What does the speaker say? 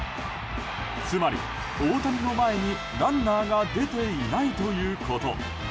つまり、大谷の前にランナーが出ていないということ。